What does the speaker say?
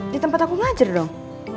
di tempat aku ngajar dong